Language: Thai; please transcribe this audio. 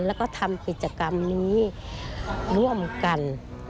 แล้วก็ทำกิจกรรมนี้ร่วมกัน